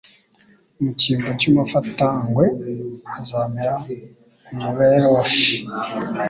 «Mu cyimbo cy'umufatangwe hazamera umuberoshi,